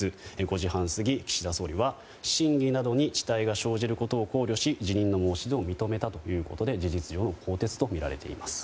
５時半過ぎ、岸田総理は審議などに遅滞が生じることを考慮し辞任の申し出を認めたということで事実上の更迭とみられています。